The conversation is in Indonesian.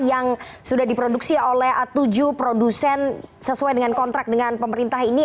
yang sudah diproduksi oleh tujuh produsen sesuai dengan kontrak dengan pemerintah ini